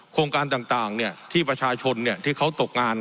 โครงการต่างที่ประชาชนที่เขาตกงาน